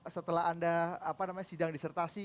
setelah anda sidang disertasi